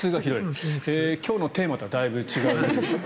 今日のテーマとはだいぶ違う。